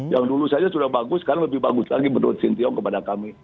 yang dulu saja sudah bagus sekarang lebih bagus lagi menurut sintiong kepada kami